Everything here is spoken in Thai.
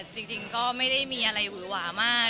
จริงก็ไม่ได้มีอะไรหวือหวามาก